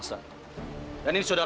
kalian tidak usah takut